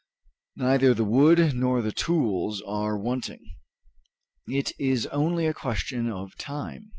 Neither the wood nor the tools are wanting. It is only a question of time."